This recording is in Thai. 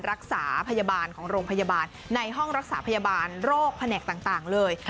รักษาพยาบาลของโรงพยาบาลในห้องรักษาพยาบาลโรคแผนกต่างเลย